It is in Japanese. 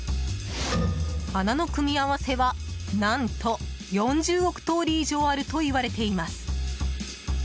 穴の組み合わせは何と、４０億通り以上あるといわれています。